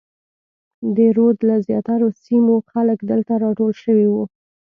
د رود له زیاترو سیمو خلک دلته راټول شوي وو.